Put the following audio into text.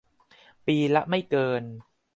ปีละไม่เกิน